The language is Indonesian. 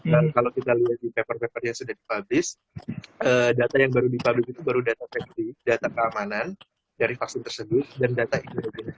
dan kalau kita lihat di paper paper yang sudah dipublis data yang baru dipublis itu baru data safety data keamanan dari vaksin tersebut dan data imunisitas